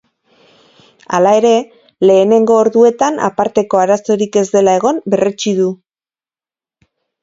Hala ere, lehenengo orduetan aparteko arazorik ez dela egon berretsi du.